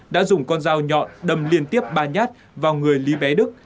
đã dùng con dao nhọn đâm liên tiếp ba nhát vào người lý bé đức